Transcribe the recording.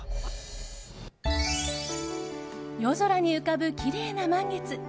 夜空に浮かぶきれいな満月